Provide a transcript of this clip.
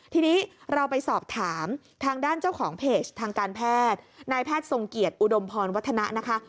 ทีนี้เราไปสอบถามทางด้านเจ้าของเพจทางการแพทย์นายแพทย์ทรงเกียจอุดมพรวัฒนะนะคะ